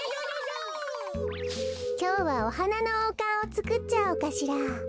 きょうはおはなのおうかんをつくっちゃおうかしら。